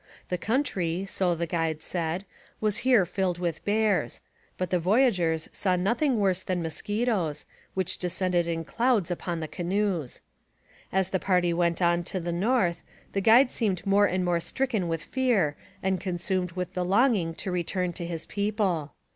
The country, so the guide said, was here filled with bears, but the voyageurs saw nothing worse than mosquitoes, which descended in clouds upon the canoes. As the party went on to the north, the guide seemed more and more stricken with fear and consumed with the longing to return to his people.